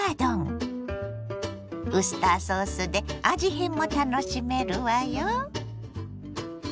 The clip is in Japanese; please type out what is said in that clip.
ウスターソースで味変も楽しめるわよ。